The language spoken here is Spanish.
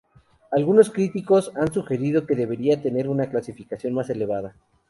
Algunos críticos han sugerido que debería tener una clasificación más elevada.